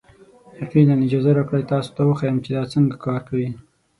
یقینا، اجازه راکړئ تاسو ته وښیم چې دا څنګه کار کوي.